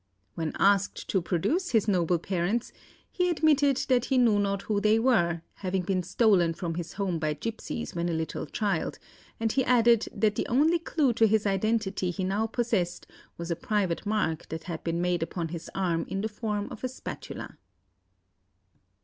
When asked to produce his noble parents, he admitted that he knew not who they were, having been stolen from his home by gipsies when a little child; and he added that the only clue to his identity he now possessed was a private mark that had been made upon his arm in the form of a spatula.